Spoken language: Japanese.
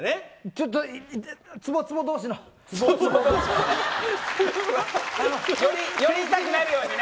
ちょっとツボツボ同士の。より痛くなるようにね。